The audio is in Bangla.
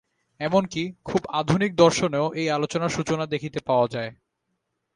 এমন কি, খুব আধুনিক দর্শনেও এই আলোচনার সূচনা দেখিতে পাওয়া যায়।